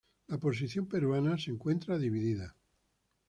La posición peruana se encuentra dividida.